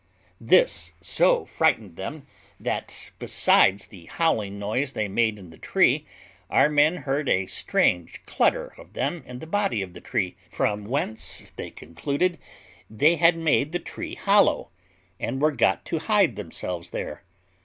This so frightened them, that, besides the howling noise they made in the tree, our men heard a strange clutter of them in the body of the tree, from whence they concluded they had made the tree hollow, and were got to hide themselves there.